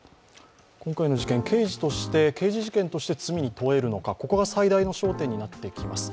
今回の事件、刑事事件として罪に問えるのか、ここが最大の焦点になってきます。